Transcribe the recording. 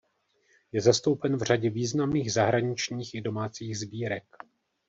Je zastoupen v řadě významných zahraničních i domácích sbírek.